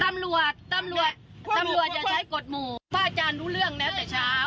ตำรวจตำรวจจะใช้กฎหมู่พระอาจารย์รู้เรื่องแล้วแต่เช้า